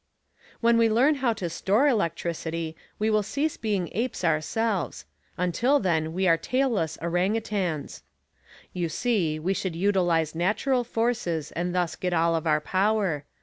"When we learn how to store electricity, we will cease being apes ourselves; until then we are tailless orangutans. You see, we should utilize natural forces and thus get all of our power.